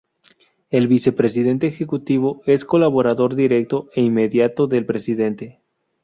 El Vicepresidente Ejecutivo es colaborador directo e inmediato del Presidente.